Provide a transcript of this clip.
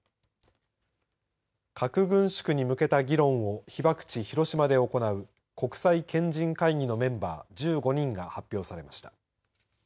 核軍縮に向けた議論を被爆地、広島で行う国際賢人会議のメンバー１５人が発表されました。